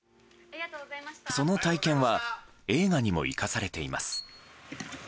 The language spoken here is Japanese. その体験は映画にも生かされています。